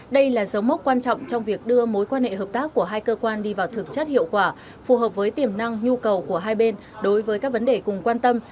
đây là dấu mốc quan trọng trong việc đưa mối quan hệ hợp tác của hai cơ quan đi vào thực chất hiệu quả phù hợp với tiềm năng nhu cầu của hai bên đối với các vấn đề cùng quan tâm